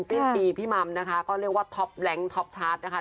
สิ้นปีพี่มัมนะคะก็เรียกว่าท็อปแล้งท็อปชาร์จนะคะ